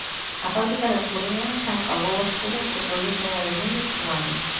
A fábrica da Coruña xa apagou as cubas que producen o aluminio primario.